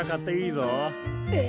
え！